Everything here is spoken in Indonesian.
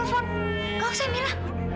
nggak usah mila